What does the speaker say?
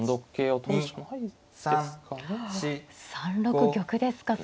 ３六玉ですか。